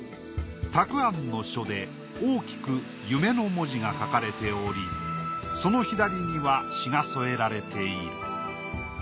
沢庵の書で大きく「夢」の文字が書かれておりその左には詩が添えられている。